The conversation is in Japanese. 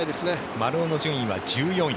丸尾の順位は１４位。